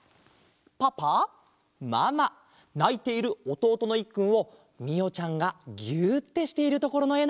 パパママないているおとうとのいっくんをみおちゃんがぎゅってしているところのえ